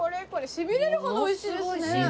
しびれるほど美味しいですね。